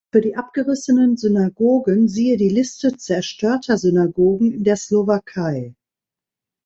Für die abgerissenen Synagogen siehe die Liste zerstörter Synagogen in der Slowakei.